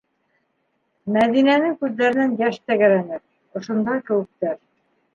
- Мәҙинәнең күҙҙәренән йәш тәгәрәне, - ошонда кеүектәр.